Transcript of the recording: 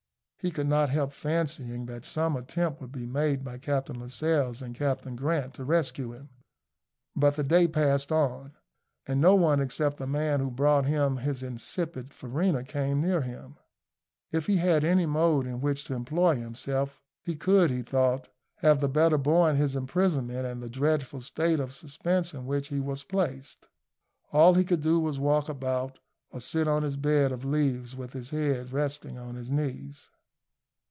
He could not help fancying that some attempt would be made by Captain Lascelles and Captain Grant to rescue him; but the day passed on, and no one except the man who brought him his insipid farina came near him. If he had had any mode in which to employ himself, he could, he thought, have the better borne his imprisonment and the dreadful state of suspense in which he was placed. All he could do was to walk about or sit on his bed of leaves with his head resting on his knees.